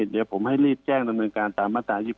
เดี๋ยวผมให้รีบแจ้งดำเนินการตามมาตรา๒๗